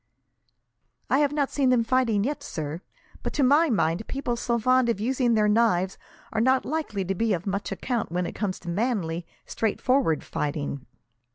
"I have not seen them fighting yet, sir, but to my mind people so fond of using their knives are not likely to be of much account, when it comes to manly, straightforward fighting.